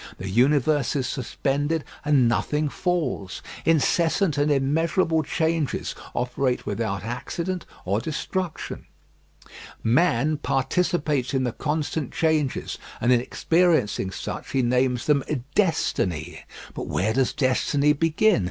The universe is suspended and nothing falls. Incessant and immeasurable changes operate without accident or destruction. Man participates in the constant changes, and in experiencing such he names them Destiny. But where does destiny begin?